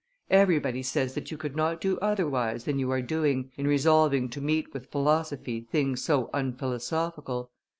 Everybody says that you could not do otherwise than you are doing, in resolving to meet with philosophy things so unphilosophical.